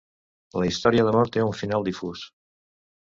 La història d'amor té un final difús.